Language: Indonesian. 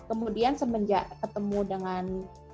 kemudian semenjak ketemu dengan